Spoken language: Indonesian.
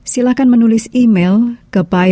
silakan menikmati video ini